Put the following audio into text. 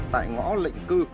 tại ngõ lệnh cư